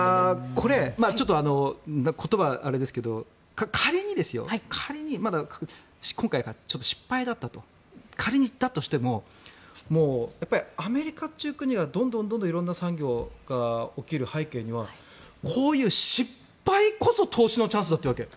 これ、言葉あれですが仮に、今回がちょっと失敗だったと仮に、だとしても、やっぱりアメリカという国がどんどん色んな産業が起きる背景にはこういう失敗こそ投資のチャンスだというわけ。